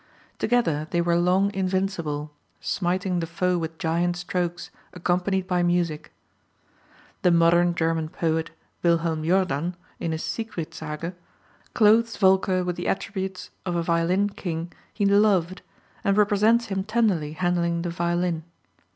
Together they were long invincible, smiting the foe with giant strokes, accompanied by music. The modern German poet, Wilhelm Jordan, in his Sigfridsage, clothes Volker with the attributes of a violin king he loved, and represents him tenderly handling the violin.